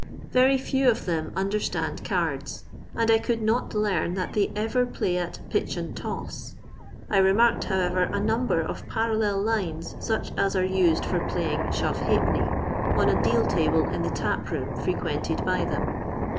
Very few of them understand cards, and I could not learn that they erer play at " pitch and toss." I remarked, howerer, a number of parallel lines such as are used for playing " shoTo halfpenny," on a deal table in the tap room frequented by them.